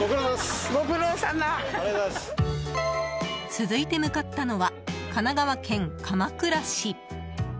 続いて向かったのは神奈川県鎌倉市。